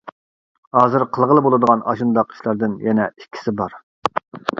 ھازىر قىلغىلى بولىدىغان ئاشۇنداق ئىشلاردىن يەنە ئىككىسى بار.